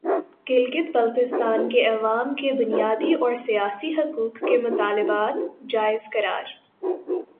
گلگت بلتستان کے عوام کے بنیادی اور سیاسی حقوق کے مطالبات جائز قرار